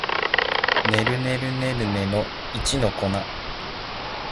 ねるねるねるねの一の粉